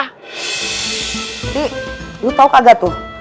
tik lu tahu kagak tuh